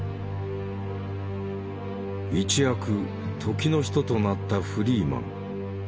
一躍時の人となったフリーマン。